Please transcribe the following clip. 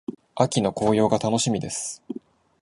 秋の紅葉が楽しみです。